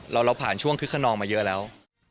เราผ่านช่วงคึกขนองมาเยอะแล้ว